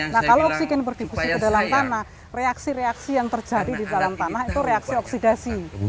nah kalau oksigen berdiskusi ke dalam tanah reaksi reaksi yang terjadi di dalam tanah itu reaksi oksidasi